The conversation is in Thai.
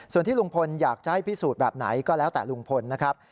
ส่วนที่ลุงพลอยากจะให้พิสูจน์แบบไหนก็แล้วแต่ลุงพลนะครับ